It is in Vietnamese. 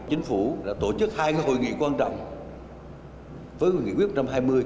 chính phủ đã tổ chức hai hội nghị quan trọng với nghị quyết một trăm hai mươi